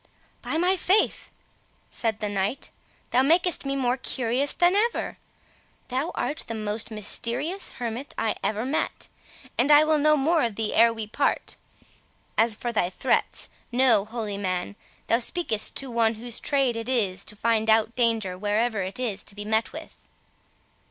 "By my faith," said the knight, "thou makest me more curious than ever! Thou art the most mysterious hermit I ever met; and I will know more of thee ere we part. As for thy threats, know, holy man, thou speakest to one whose trade it is to find out danger wherever it is to be met with."